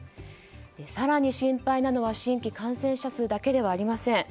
更に、心配なのは新規感染者数だけではありません。